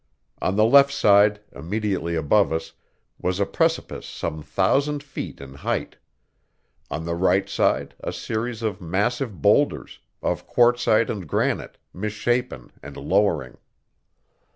On the left side, immediately above us, was a precipice some thousand feet in height; on the right a series of massive boulders, of quartzite and granite, misshapen and lowering.